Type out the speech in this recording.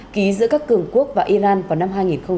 ký giữa các cường quốc và iran vào năm hai nghìn một mươi năm